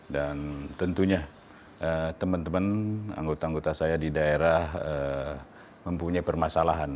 dan tentunya teman teman anggota anggota saya di daerah mempunyai permasalahan